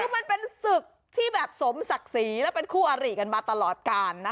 คือมันเป็นศึกที่แบบสมศักดิ์ศรีและเป็นคู่อาริกันมาตลอดการนะคะ